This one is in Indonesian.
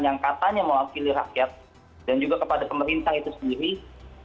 yang katanya mewakili rakyat dan juga kepada pemerintah itu sendiri